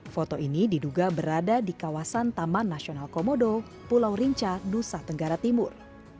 foto ini diduga berada di kawasan taman nasional komodo pulau rinca nusa tenggara timur